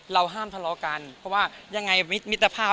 ห้ามทะเลาะกันเพราะว่ายังไงมิตรภาพ